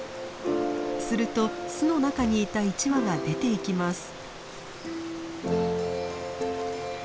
すると巣の中にいた１羽が出ていきます。